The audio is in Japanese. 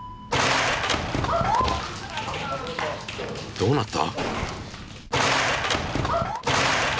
どうなった？